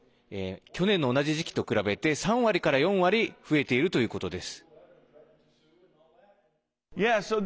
去年の同じ時期と比べて３割から４割増えているということです。